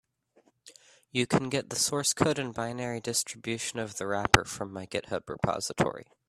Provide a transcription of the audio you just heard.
You can get the source code and binary distribution of the wrapper from my GitHub repository.